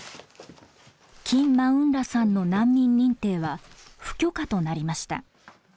キン・マウン・ラさんの難民認定は不許可となりました。